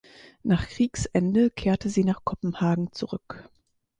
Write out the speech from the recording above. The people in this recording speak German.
Nach Kriegsende kehrte sie nach Kopenhagen zurück.